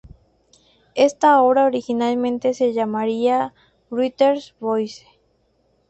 Esta obra originalmente se llamaría "Writer's Voice".